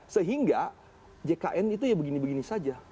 sehingga jkn itu ya begini begini saja